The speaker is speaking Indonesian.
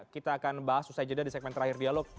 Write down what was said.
kita akan bahas usai jeda di segmen terakhir dialog